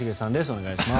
お願いします。